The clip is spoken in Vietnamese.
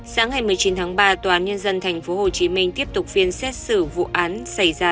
sáng ngày một mươi chín tháng ba tòa án nhân dân tp hcm tiếp tục phiên xét xử vụ án xảy ra